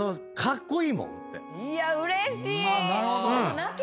いやうれしい！